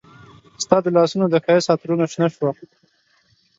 ستا د لاسونو د ښایست عطرونه شنه شوه